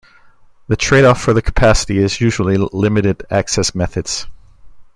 The tradeoff for the capacity is usually limited access methods.